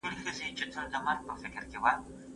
که په حضوري درس کي کتاب نه وي نو زده کوونکی ستونزه لري.